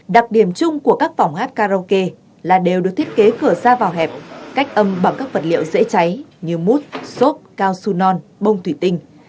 đặc điểm chung của các phòng hát karaoke là đều được thiết kế cửa ra vào hẹp cách âm bằng các vật liệu dễ cháy như mút xốp cao su non bông thủy tinh